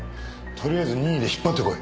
とりあえず任意で引っ張ってこい。